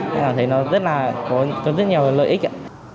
thế là thấy nó rất là có rất nhiều lợi ích ạ